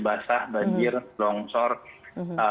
basah banjir longshore